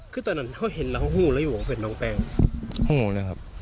ครับ